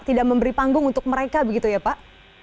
tidak memberi panggung untuk mereka begitu ya pak